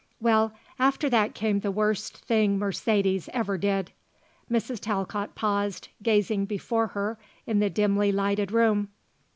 Well, after that came the worst thing Mercedes ever did." Mrs. Talcott paused, gazing before her in the dimly lighted room.